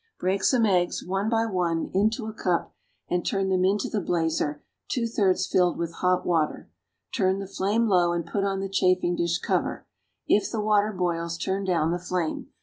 Break some eggs, one by one, into a cup, and turn them into the blazer two thirds filled with hot water; turn the flame low and put on the chafing dish cover; if the water boils, turn down the flame.